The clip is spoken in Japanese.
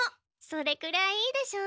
それくらいいいでしょ？